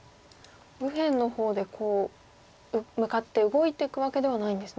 右辺の方で向かって動いていくわけではないんですね。